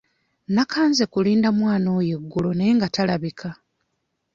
Nakanze kulinda mwana oyo eggulo naye nga talabika.